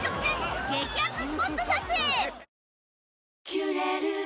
「キュレル」